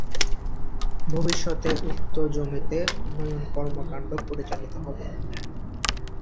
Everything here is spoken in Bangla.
ভবিষ্যতে উক্ত জমিতে উন্নয়ন কর্মকাণ্ড পরিচালিত হবে।